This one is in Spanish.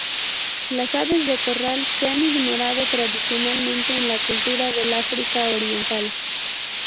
Las aves de corral se han ignorado tradicionalmente en la cultura del África Oriental.